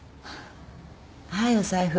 はいお財布。